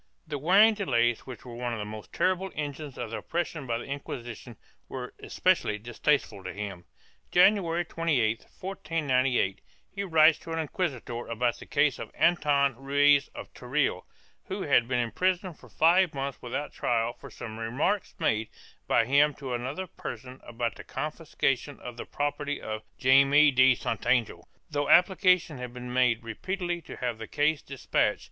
1 The wearing delays, which were one of the most terrible engines of oppression by the Inquisition, were especially distasteful to him. January 28, 1498, he writes to an inquisitor about the case of Anton Ruiz of Teruel, who had been imprisoned for five months without trial for some remarks made by him to another person about the confiscation of the property of Jaime de Santangel, though application had been made repeatedly to have the case despatched.